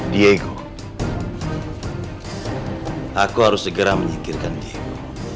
diego aku harus segera menyikirkan diego